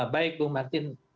baik bu martin